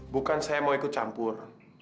bukan saya mau ikut campur